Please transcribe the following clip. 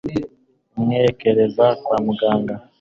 imwerekeza kwamuganga………